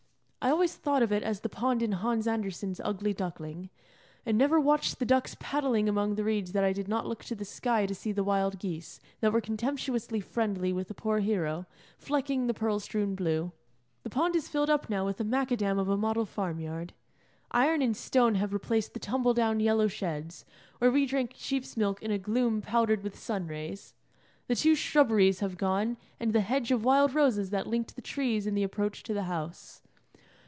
I always thought of it as the pond in Hans Andersen's Ugly Duckling, and never watched the ducks paddling among the reeds that I did not look to the sky to see the wild geese, that were contemptuously friendly with the poor hero, flecking the pearl strewn blue. The pond is filled up now with the macadam of a model farmyard. Iron and stone have replaced the tumble down yellow sheds, where we drank sheep's milk in a gloom powdered with sun rays; the two shrubberies have gone, and the hedge of wild roses that linked the trees in the approach to the house.